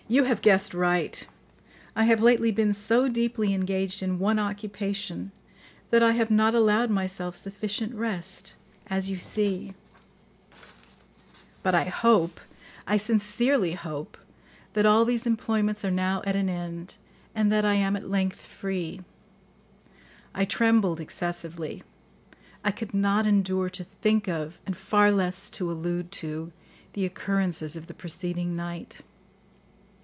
"You have guessed right; I have lately been so deeply engaged in one occupation that I have not allowed myself sufficient rest, as you see; but I hope, I sincerely hope, that all these employments are now at an end and that I am at length free." I trembled excessively; I could not endure to think of, and far less to allude to, the occurrences of the preceding night.